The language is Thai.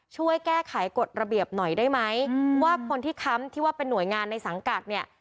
ช่วยแก้ไขกฎระเบียบหน่อยได้ไหมว่าคนที่ค้ำที่ว่าเป็นหน่วยงานในสังกัดเนี่ย